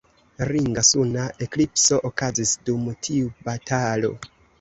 Ringa suna eklipso okazis dum tiu batalo.